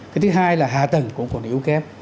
cái thứ hai là hạ tầng cũng còn yếu kém